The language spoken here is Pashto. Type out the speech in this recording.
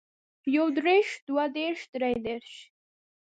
يو دېرش دوه دېرش درې دېرش